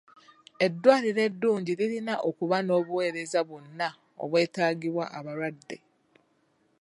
Eddwaliro eddungi lirina okuba n'obuweereza bwonna obwetaagibwa abalwadde.